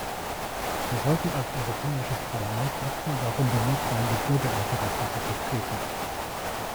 Wir sollten als Europäisches Parlament nicht nur darum bemüht sein, die Bürgerinteressen zu vertreten.